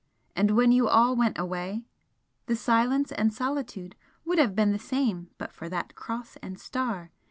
And when you all went away, the silence and solitude would have been the same but for that Cross and Star!